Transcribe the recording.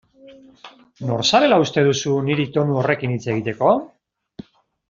Nor zarela uste duzu niri tonu horrekin hitz egiteko?